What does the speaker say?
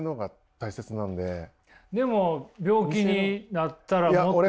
でも病気になったら。